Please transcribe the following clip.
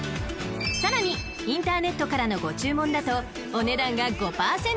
［さらにインターネットからのご注文だとお値段が５％オフに！］